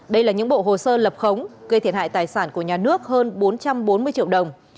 đây là những bộ hồ sơ lập khống gây thiệt hại tài sản của nhà nước hơn bốn trăm bốn mươi triệu đồng